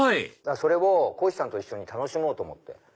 はいこひさんと一緒に楽しもうと思って。